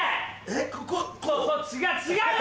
えっここう？